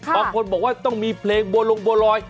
บางคนบอกว่าต้องมีเพลงโบรลมโบรอย